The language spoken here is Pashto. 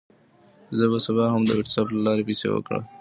زه به سبا هم د وټساپ له لارې پیسې ورکړم.